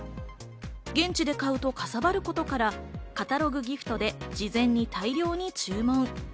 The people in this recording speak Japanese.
現地で買うと、かさばることから、カタログギフトで事前に大量に注文。